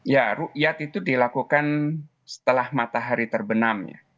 ya ru yat itu dilakukan setelah matahari terbenam